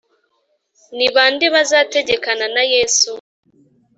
Ni ba nde bazategekana na Yesu?